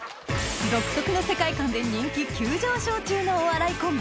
独特の世界観で人気急上昇中のお笑いコンビ